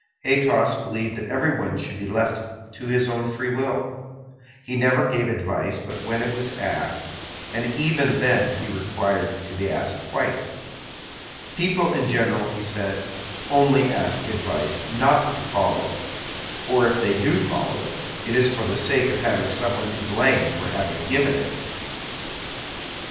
Athos believed that everyone should be left to his own free will. He never gave advice but when it was asked, and even then he required to be asked twice. "People, in general," he said, "only ask advice not to follow it; or if they do follow it, it is for the sake of having someone to blame for having given it."